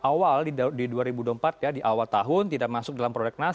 awal di dua ribu dua puluh empat ya di awal tahun tidak masuk dalam prolegnas